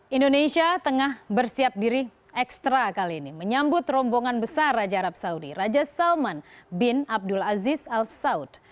indonesia tengah bersiap diri ekstra kali ini menyambut rombongan besar raja arab saudi raja salman bin abdul aziz al saud